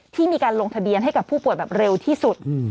ที่มีการลงทะเบียนให้กับผู้ป่วยแบบเร็วที่สุด